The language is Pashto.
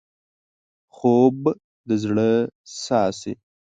خوب د زړه ساه شي